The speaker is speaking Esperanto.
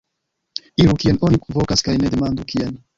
Iru, kien oni vokas kaj ne demandu: kien?